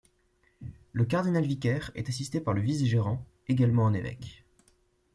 Le cardinal-vicaire est assisté par le vice-gérant, également un évêque.